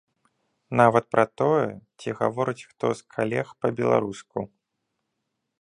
Нават пра тое, ці гаворыць хто з калег па-беларуску.